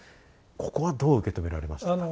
ここはどう受け止められましたか？